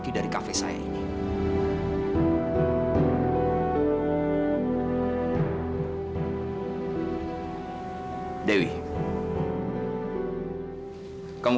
kalau kau benar ini